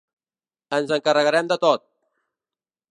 Ens encarregarem de tot!